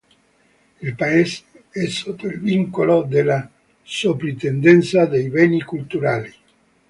Il paese è sotto il vincolo della Sovrintendenza dei Beni Culturali.